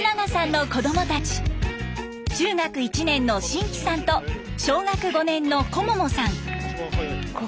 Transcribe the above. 中学１年の真喜さんと小学５年の瑚桃さん。